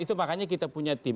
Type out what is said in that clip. itu makanya kita punya tim